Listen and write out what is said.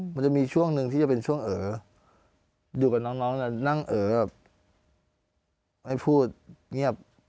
มันจะมีช่วงหนึ่งที่จะเป็นช่วงเอ๋ออยู่กับน้องนั่งเอ๋อแบบไม่พูดเงียบ